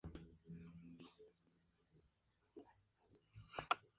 Horace va con Sawyer y le dice que en donde escondió los cuerpos.